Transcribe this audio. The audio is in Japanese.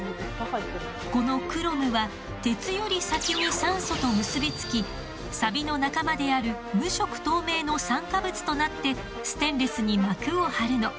このクロムは鉄より先に酸素と結び付きサビの仲間である無色透明の酸化物となってステンレスに膜を張るの。